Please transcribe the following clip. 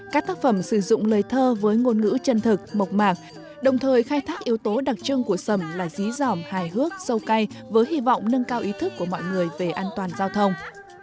các tác phẩm sử dụng lời thơ với ngôn ngữ chân thực mộc mạc đồng thời khai thác yếu tố đặc trưng của sẩm là dí dòm hài hước sâu cay với hy vọng nâng cao ý thức của mọi người về an toàn giao thông